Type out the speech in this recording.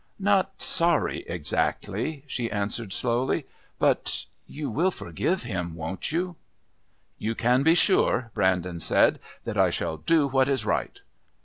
"Not sorry, exactly," she answered slowly. "But you will forgive him, won't you?" "You can be sure," Brandon said, "that I shall do what is right."